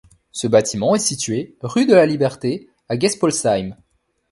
Ce bâtiment est situé rue de la Liberté à Geispolsheim.